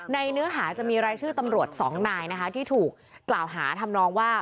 เนื้อหาจะมีรายชื่อตำรวจสองนายนะคะที่ถูกกล่าวหาทำนองว่า